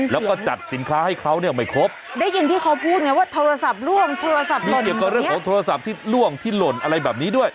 แล้วก็จัดสินค้าให้เขาเนี่ยไม่ครบได้ยินที่เขาพูดไงว่าโทรศัพท์ล่วงโทรศัพท์ก็เกี่ยวกับเรื่องของโทรศัพท์ที่ล่วงที่หล่นอะไรแบบนี้ด้วย